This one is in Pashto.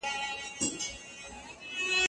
د موضوع بشپړول ډېر وخت او زغم غواړي.